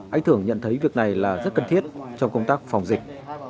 anh thưởng nhận thấy việc này là rất cần thiết trong công tác phòng dịch